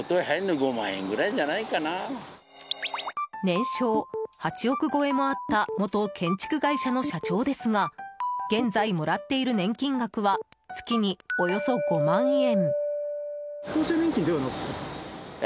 年商８億超えもあった元建築会社の社長ですが現在もらっている年金額は月におよそ５万円。